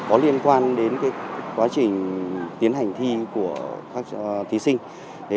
có liên quan đến quá trình tiến hành thi của các thí sinh